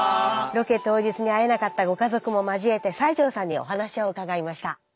ロケ当日に会えなかったご家族も交えて西條さんにお話を伺いました。